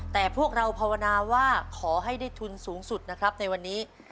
แต่พวกเราภาวนาว่าขอให้ได้ทุนสูงสุดนะครับในวันนี้